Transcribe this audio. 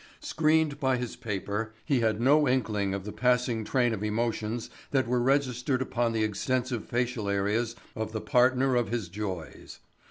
Screened by his paper he had no inkling of the passing train of emotions that were registered upon the extensive facial areas of the partner of his joys.